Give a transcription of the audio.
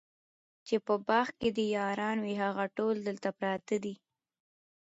چي په باغ کي دي یاران وه هغه ټول دلته پراته دي